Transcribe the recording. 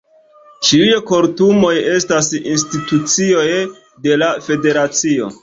Ĉiuj kortumoj estas institucioj de la federacio.